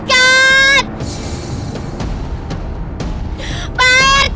heee itu hantunya mendekat